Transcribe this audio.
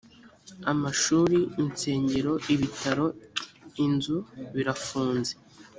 amashuri insengero ibitaro inzu birafunze